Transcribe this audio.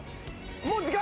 もう時間？